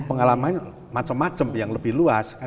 pengalaman macam macam yang lebih luas